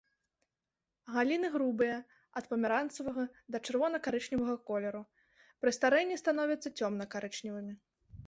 Галіны грубыя, ад памяранцавага да чырвона-карычневага колеру, пры старэнні становяцца цёмна-карычневымі.